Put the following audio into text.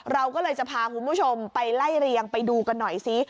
เราก็เลยจะพาคุณผู้ชมไปไล่เรียงไปดูกันหน่อยซิ